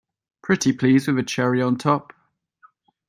Pretty please with a cherry on top!